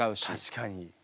確かに。